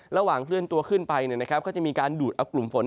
ระหว่างเคลื่อนตัวขึ้นไปก็จะมีการดูดอับกลุ่มฝน